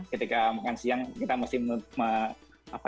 ketika makan siang kita masih